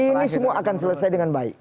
ini semua akan selesai dengan baik